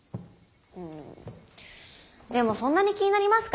うんでもそんなに気になりますか？